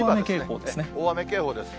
大雨警報ですね。